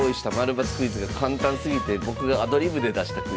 ○×クイズが簡単すぎて僕がアドリブで出したクイズです。